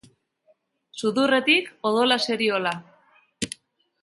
Sudurretik odola zeriola.